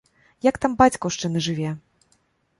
Як там бацькаўшчына жыве?